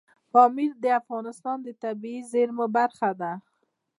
پامیر د افغانستان د طبیعي زیرمو برخه ده.